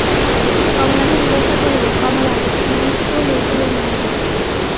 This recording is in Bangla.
কমলাকে জিজ্ঞাসা করিল, কমলা, উমেশকেও লইতে হইবে নাকি?